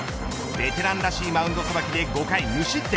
ベテランらしいマウンドさばきで５回無失点。